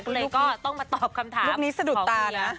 ก็เลยก็ต้องมาตอบคำถามลูกนี้สะดุดตานะ